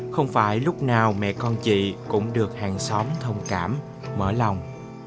không phải lúc nào mẹ con chị cũng được hàng xóm thông cảm mở lòng